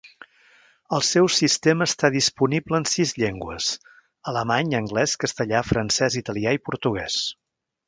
El seu sistema està disponible en sis llengües; alemany, anglès, castellà, francès, italià i portuguès.